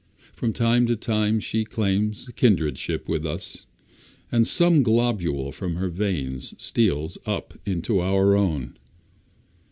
From time to time she claims kindredship with us, and some globule from her veins steals up into our own.